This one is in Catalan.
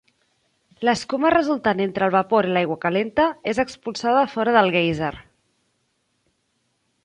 L'escuma resultant entre el vapor i l'aigua calenta és expulsada fora del guèiser.